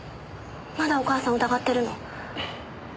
まだお母さんを疑ってるの？